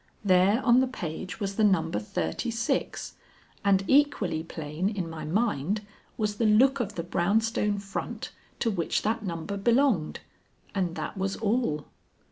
There on the page was the number thirty six, and equally plain in my mind was the look of the brown stone front to which that number belonged and that was all.